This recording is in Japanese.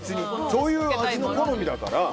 そういう味の好みだから。